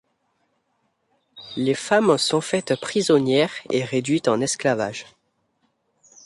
Les femmes sont faites prisonnières et réduites en esclavage.